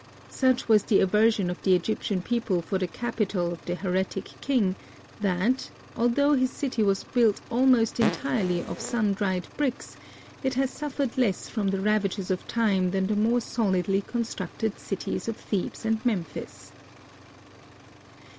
Such was the aversion of the Egyptian people for the capital of the heretic king, that, although his city was built almost entirely of sun dried bricks, it has suffered less from the ravages of time than the more solidly constructed cities of Thebes and Memphis.